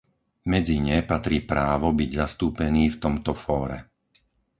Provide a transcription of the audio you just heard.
Medzi ne patrí právo byť zastúpený v tomto fóre.